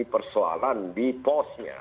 persoalan di posnya